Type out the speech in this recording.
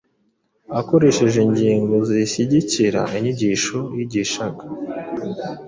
akoresheje ingingo zishyigikira inyigisho yigishaga.